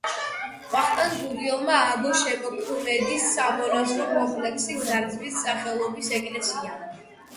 ვახტანგ გურიელმა ააგო შემოქმედის სამონასტრო კომპლექსში ზარზმის სახელობის ეკლესია.